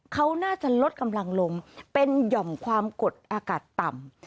เขาน่าจะลดกำลังลงเป็นหย่อมความกดอากาศต่ำ